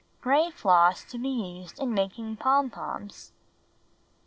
Gray floss to be used in making pom poms.